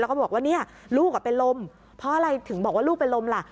แล้วก็บอกว่าเนี่ยลูกเป็นลมเพราะอะไรถึงบอกว่าลูกเป็นลมล่ะ